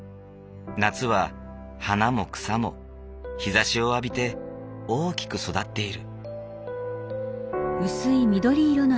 夏は花も草も日ざしを浴びて大きく育っている。